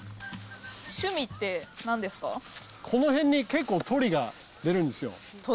この辺に結構、鳥が出るんで鳥？